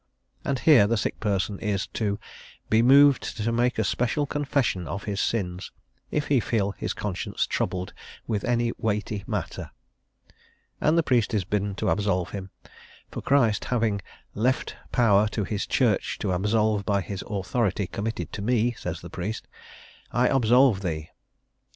And here the sick person is to "be moved to make a special confession of his sins, if he feel his conscience troubled with any weighty matter," and the priest is bidden to absolve him, for Christ having "left power to his Church to absolve by his authority committed to me," says the priest, "I absolve thee."